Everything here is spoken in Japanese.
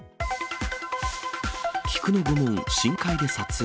菊の御紋深海で撮影。